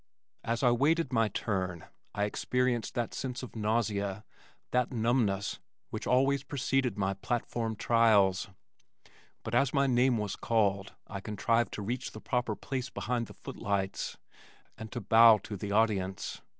As I waited my turn, I experienced that sense of nausea, that numbness which always preceded my platform trials, but as my name was called I contrived to reach the proper place behind the footlights, and to bow to the audience.